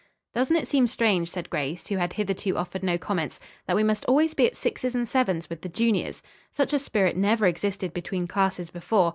"Doesn't it seem strange," said Grace, who had hitherto offered no comments, "that we must always be at sixes and sevens with the juniors? Such a spirit never existed between classes before.